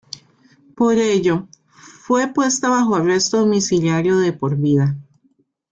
Por ello, fue puesta bajo arresto domiciliario de por vida.